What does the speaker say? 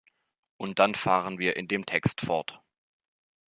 Und dann fahren wir in dem Text fort.